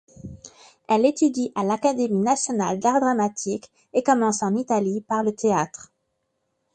Elle étudie à l'Académie nationale d'art dramatique et commence en Italie par le théâtre.